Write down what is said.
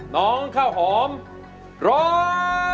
น้องข้าวหอมร้อง